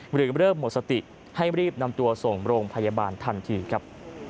หรือเริ่มหมดสติให้รีบนำตัวส่งโรงพยาบาลทันทีครับ